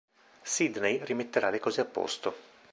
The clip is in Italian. Sydney rimetterà le cose a posto.